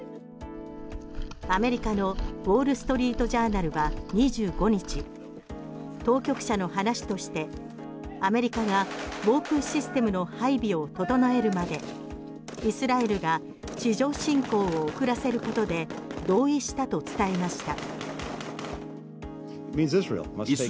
アメリカのウォール・ストリート・ジャーナルは２５日当局者の話としてアメリカが防空システムの配備を整えるまでイスラエルが地上侵攻を遅らせることで同意したと伝えました。